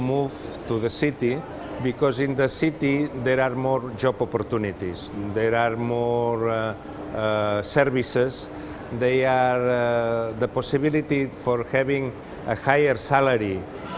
lebih banyak perkhidmatan dan kemungkinan untuk memiliki salari yang lebih tinggi